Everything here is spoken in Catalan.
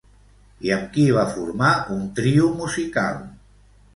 I amb qui va formar un trio musical?